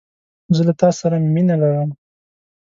زه له تا سره مینه لرم